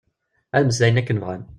Ad mmeslayen akken bɣan.